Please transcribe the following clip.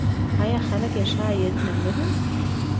آیا خلک یې ښه عاید نلري؟